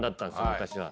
昔は。